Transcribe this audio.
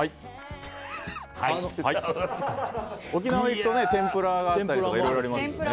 沖縄行くと天ぷらとかいろいろありますよね。